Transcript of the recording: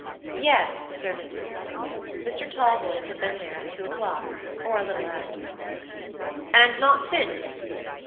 Yes, the servant told him; Mr. Talboys had been there at two o'clock or a little after. "And not since?"